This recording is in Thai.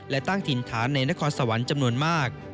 และตั้งถิ่นฐานในนครสวรรค์จำนวนมาก